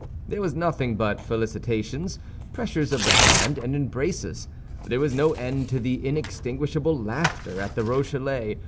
There was nothing but felicitations, pressures of the hand, and embraces; there was no end to the inextinguishable laughter at the Rochellais.